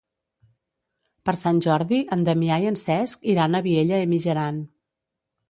Per Sant Jordi en Damià i en Cesc iran a Vielha e Mijaran.